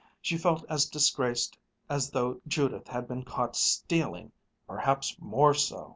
She felt as disgraced as though Judith had been caught stealing, perhaps more so.